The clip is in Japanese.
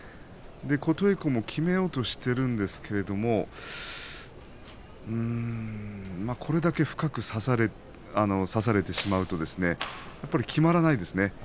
琴恵光もきめようとしているんですがこれだけ深く差されてしまうとやっぱりきまらないですね。